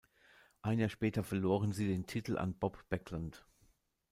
Ein Jahr später verloren sie den Titel an Bob Backlund.